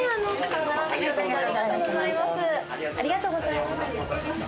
ありがとうございます。